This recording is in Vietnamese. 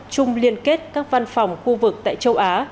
chung liên kết các văn phòng khu vực tại châu á